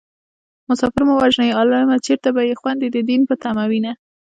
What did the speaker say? مسافر مه وژنئ عالمه چېرته به يې خويندې د دين په تمه وينه